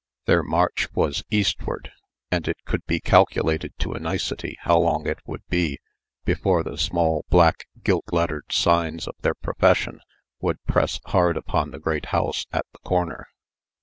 Their march was eastward, and it could be calculated to a nicety how long it would be before the small black, gilt lettered signs of their profession would press hard upon the great house at the corner.